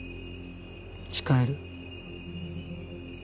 誓える？